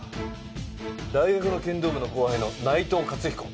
大学の剣道部の後輩の内藤勝彦。